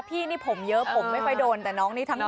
พี่นี่ผมเยอะผมไม่ค่อยโดนแต่น้องนี่ทำน้อง